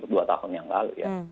dua tahun yang lalu ya